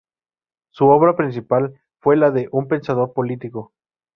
Su obra principal fue la de un pensador político.